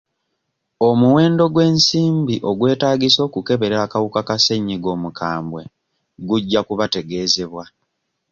Omuwendo gw'ensimbi ogwetaagisa okukebera akawuka ka ssennyiga omukambwe gujja kubategeezebwa.